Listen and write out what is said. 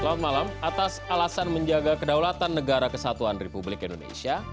selamat malam atas alasan menjaga kedaulatan negara kesatuan republik indonesia